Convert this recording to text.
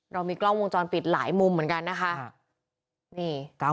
เรามีกล้องวงจรปิดหลายมุมเหมือนกันนะคะ